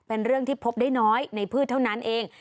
เป็นเรื่องที่พบได้น้อยในพืชเท่านั้นเอง